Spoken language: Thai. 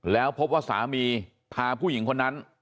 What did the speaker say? แล้วพบว่าสามีพาผู้หญิงคนนั้น